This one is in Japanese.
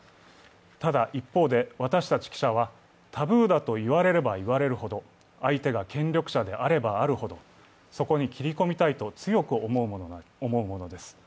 ただ、一方で私たち記者は、タブーだと言われれば言われるほど相手が権力者であればあるほど、そこに切り込みたい暉璃子みたいと強く思うものです。